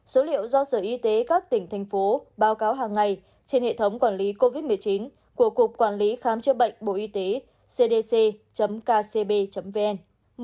số liệu do sở y tế các tỉnh thành phố báo cáo hàng ngày trên hệ thống quản lý covid một mươi chín của cục quản lý khám chữa bệnh bộ y tế cdc kcb vn